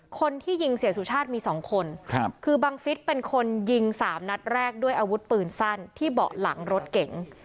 คนที่ยิงเสียสุชาติมี๒คนคือบังฟิศเป็นคนยิงสามนัดแรกด้วยอาวุธปืนสั้นที่เบาะหลังรถเก๋ง